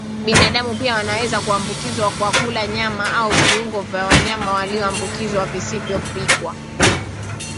Binadamu pia wanaweza kuambukizwa kwa kula nyama au viungo vya wanyama walioambukizwa visivyopikwa